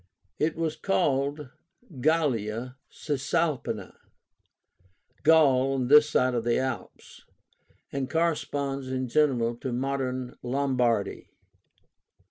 It was called GALLIA CISALPÍNA (Gaul this side of the Alps), and corresponds in general to modern Lombardy.